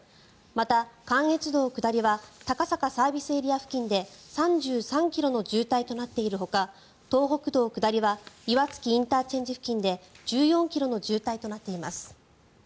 また、関越道下りは高坂ＳＡ付近で３３ｋｍの渋滞となっているほか東北道下りは岩槻ＩＣ付近で１４ｋｍの渋滞となっています。